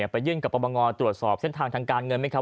ไปยื่นกับประบงตรวจสอบเส้นทางทางการเงินไหมครับ